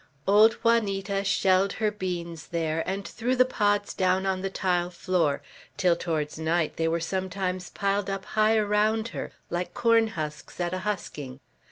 Old Juanita shelled her beans there, and threw the pods down on the tile floor, till towards night they were sometimes piled up high around her, like corn husks at a husking.